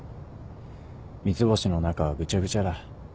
三ツ星の中はぐちゃぐちゃだ。